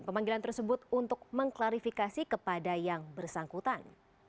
pemanggilan tersebut untuk mengklarifikasi kepada yang bersangkutan